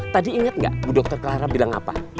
tadi inget gak bu dokter clara bilang apa